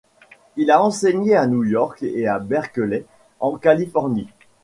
Il a enseigné à New York et à Berkeley, en Californie.